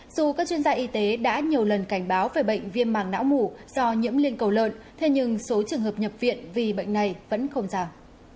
dù các chuyên gia y tế đã nhiều lần cảnh báo về bệnh viêm màng não mủ do nhiễm liên cầu lợn thế nhưng số trường hợp nhập viện vì bệnh này vẫn không giảm